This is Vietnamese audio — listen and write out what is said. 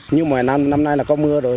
như mỗi năm năm nay là có mưa rồi